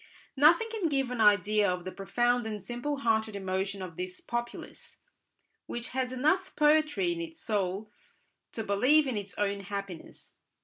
Nothing can give an idea of the profound and simple hearted emotion of this populace, which has enough poetry in its soul to believe in its own happiness.